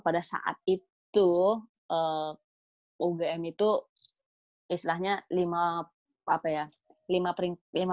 pada saat itu ugm itu istilahnya lima apa ya